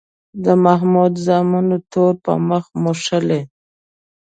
د محمود زامنو تور په مخ موښلی.